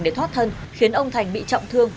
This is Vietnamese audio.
để thoát thân khiến ông thành bị trọng thương